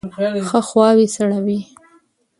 ښه خواوې سړوئ.